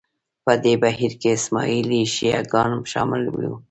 په دې بهیر کې اسماعیلي شیعه ګان شامل وو